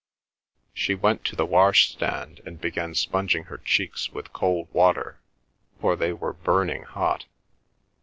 She went to the wash stand and began sponging her cheeks with cold water; for they were burning hot.